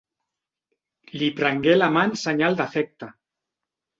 Li prengué la mà en senyal d'afecte.